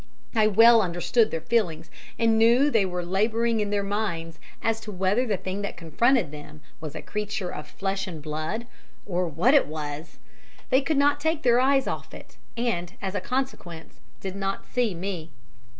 I well understood their feelings, and knew they were labouring in their minds as to whether the thing that confronted them was a creature of flesh and blood, or what it was. They could not take their eyes off it, and, as a consequence, did not see me.